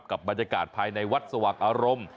กับบรรยากาศภายในวัดสว่างอารมณ์